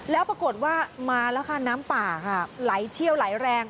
แล้วปรากฏว่ามาแล้วค่ะน้ำป่าค่ะไหลเชี่ยวไหลแรง